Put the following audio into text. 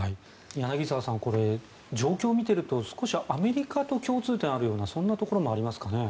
柳澤さんこれは状況を見ていると少しアメリカと共通点があるようなそんなところもありますかね。